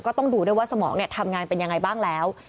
ต้องดูด้วยว่าสมองทำงานเป็นยังไงบ้างแล้ว